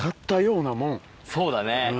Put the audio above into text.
そうだね。